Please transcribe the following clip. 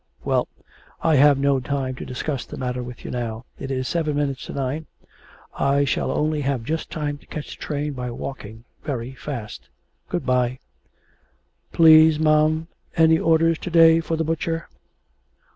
'Well, I have no time to discuss the matter with you now. It is seven minutes to nine. I shall only have just time to catch the train by walking very fast. Good bye.' 'Please, mam, any orders to day for the butcher?'